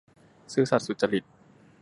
ซื่อสัตย์สุจริต